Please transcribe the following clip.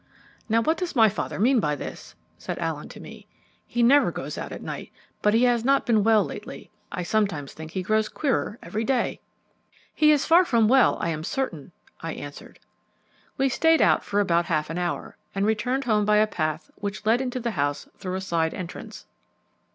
"Now, what does my father mean by this?" said Allen to me. "He never goes out at night; but he has not been well lately. I sometimes think he grows queerer every day." "He is very far from well, I am certain," I answered. We stayed out for about half an hour and returned home by a path which led into the house through a side entrance.